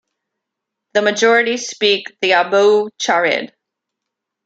The majority speak the Abou Charid.